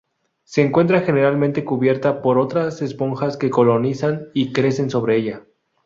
Se encuentra generalmente cubierta por otras esponjas que colonizan y crecen sobre ella.